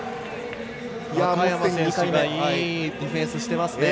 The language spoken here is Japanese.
若山選手がいいディフェンスしてますね。